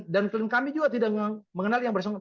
dan klin kami juga tidak mengenal yang bersama